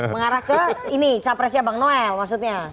mengarah ke ini capresnya bang noel maksudnya